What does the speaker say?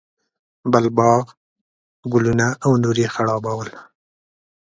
بل باغ، ګلونه او نور یې خړوبول.